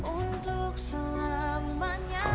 kamu ini sakit masih ngeyel